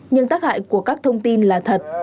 nhưng tác hại của các thông tin là thật